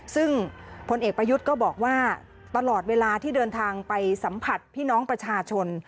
ซึ่งพลเอกประยุทธ์ก็บอกว่าตลอดเวลาที่เดินทางไปสัมผัสพี่น้องประชาชน